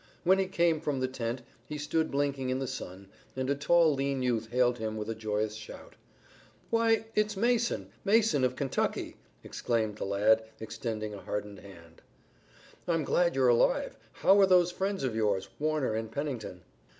When he came from the tent he stood blinking in the sun, and a tall lean youth hailed him with a joyous shout: "Why, it's Mason Mason of Kentucky!" exclaimed the lad, extending a hardened hand. "I'm glad you're alive. How are those friends of yours, Warner and Pennington?"